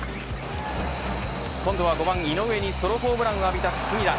今度は５番井上にソロホームランを浴びた隅田。